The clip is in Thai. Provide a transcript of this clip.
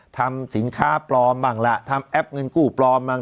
ทำสินค้าปลอมบ้างล่ะทำแอปเงินกู้ปลอมบ้าง